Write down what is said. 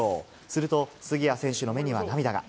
すると、杉谷選手の目には涙が。